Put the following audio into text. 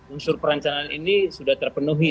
unsur perencanaan ini sudah terpenuhi